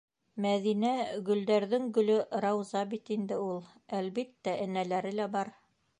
Мәҙинә - гөлдәрҙең гөлө рауза бит инде ул. Әлбиттә, энәләре лә бар.